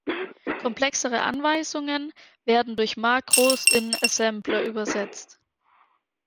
Komplexere Anweisungen werden durch Makros in Assembler übersetzt.